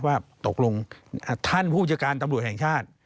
ว่าตกลงท่านผู้จัดการตำรวจแห่งชาติ